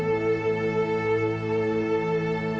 saya udah nggak peduli